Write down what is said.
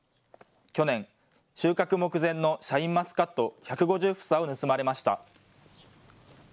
去年、収穫目前のシャインマスカット１５０房を盗まれました。